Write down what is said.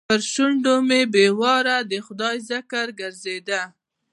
پر شونډو مې بې واره د خدای ذکر ګرځېده.